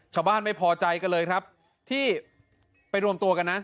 ชาวบ้านไม่พอใจกันเลยครับที่ไปรวมตัวกันนะ